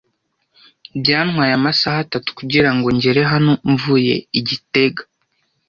Byantwaye amasaha atatu kugirango ngere hano mvuye i gitega.